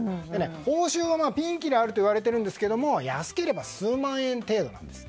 報酬はピンキリあるといわれているんですけど安ければ数万円程度なんです。